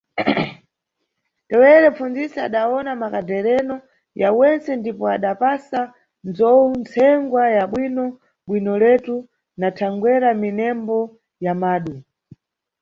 Tewere mpfunzisi adawona makadhereno ya wentse ndipo adapasa nzowu ntsengwa ya bwino-bwinoletu na thangwera minembo ya madu.